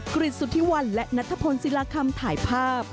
กริจสุธิวันและนัทพลศิลาคำถ่ายภาพ